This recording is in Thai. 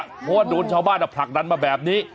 เพราะว่าโดนชาวบ้านผลักดันมาแบบนี้